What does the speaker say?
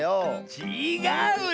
ちがうよ！